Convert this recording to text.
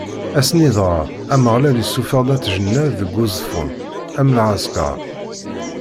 Ass-nni dɣa, Ameɣlal issufeɣ-d At Jennad seg Uẓeffun, am lɛeskeṛ.